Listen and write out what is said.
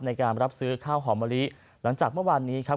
ในการรับซื้อข้าวหอมมะลิหลังจากเมื่อวานนี้ครับ